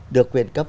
được quyền cấp